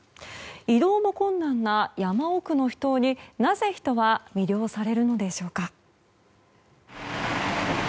移動も困難な山奥の秘湯になぜ人は魅了されるのでしょうか。